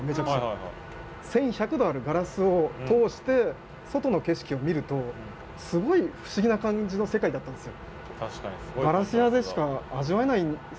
１，１００℃あるガラスを通して外の景色を見るとすごい不思議な感じの世界だったんですよ。